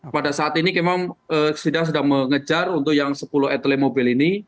pada saat ini memang sidang sedang mengejar untuk yang sepuluh etele mobil ini